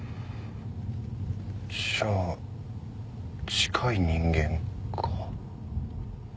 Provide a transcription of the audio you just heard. じゃあ近い人間か。